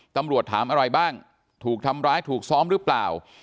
ตำรวจถามอะไรบ้างถูกทำร้ายถูกซ้อมหรือเปล่า